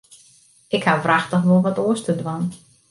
Ik haw wrachtich wol wat oars te dwaan.